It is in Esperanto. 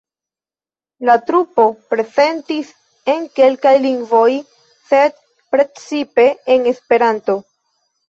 La trupo prezentis en kelkaj lingvoj, sed precipe en Esperanto.